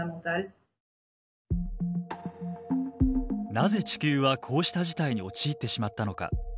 なぜ地球はこうした事態に陥ってしまったのか。